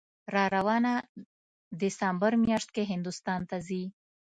راروانه دسامبر میاشت کې هندوستان ته ځي